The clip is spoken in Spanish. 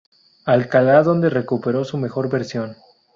Alcalá, donde recuperó su mejor versión.